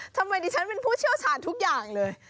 ทำไมดิฉันเป็นผู้เชี่ยวชาญทุกอย่างเลย